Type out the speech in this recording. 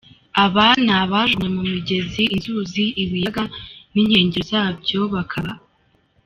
Aba ni abajugunywe mu migezi, inzuzi, ibiyaga n’inkengero zabyo, bakaba.